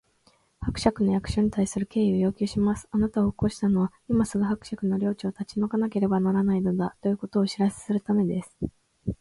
「伯爵の役所に対する敬意を要求します！あなたを起こしたのは、今すぐ伯爵の領地を立ち退かなければならないのだ、ということをお知らせするためです」